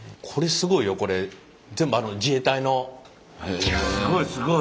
すごいすごい。